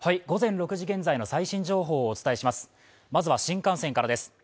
午前６時現在の最新情報をお伝えします。